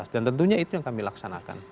dan tentunya itu yang kami laksanakan